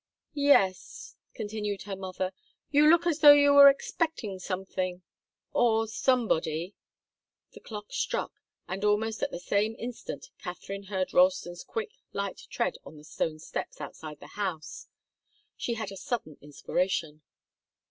"Yes," continued her mother. "You look as though you were expecting something or somebody." The clock struck, and almost at the same instant Katharine heard Ralston's quick, light tread on the stone steps outside the house. She had a sudden inspiration.